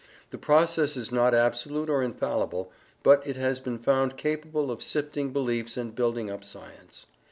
The process is not absolute or infallible, but it has been found capable of sifting beliefs and building up science.